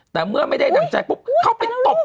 แต่เมื่อไม่ได้ดั่งใจปุ๊บเข้าไปตบ